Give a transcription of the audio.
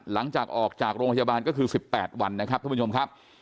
หลังจากออกจากโรงพยาบาลก็คือ๑๘วันนะครับท่านผู้ชมครับ